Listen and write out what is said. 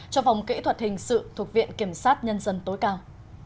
cho phòng kỹ thuật hình sự thuộc viện kiểm sát nhân dân tối cao